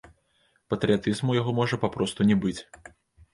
Патрыятызму ў яго можа папросту не быць!